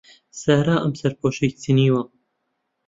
سارا ئەم سەرپۆشەی چنیوە.